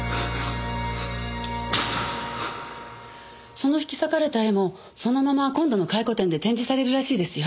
その引き裂かれた絵もそのまま今度の回顧展で展示されるらしいですよ。